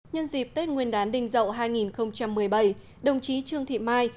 nhân dịp tết nguyên đán đình dậu hai nghìn một mươi bảy đồng chí trương thị mai